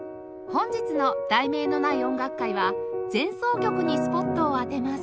本日の『題名のない音楽会』は前奏曲にスポットを当てます